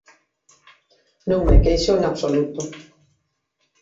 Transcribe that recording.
Non me queixo en absoluto.